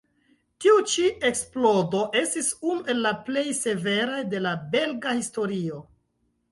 Tiu ĉi eksplodo estis unu el la plej severaj de la belga historio.